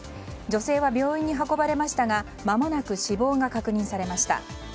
女性は病院に運ばれましたがまもなく死亡が確認されました。